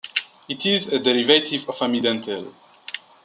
It is a derivative of amidantel.